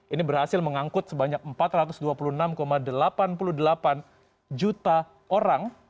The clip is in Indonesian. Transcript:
ini berhasil mengangkut sebanyak empat ratus dua puluh enam delapan puluh delapan juta orang